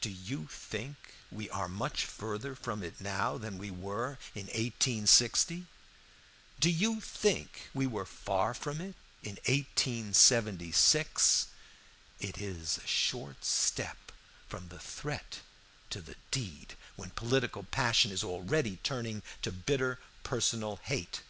Do you think we are much further from it now than we were in 1860? Do you think we were far from it in 1876? It is a short step from the threat to the deed when political passion is already turning to bitter personal hate.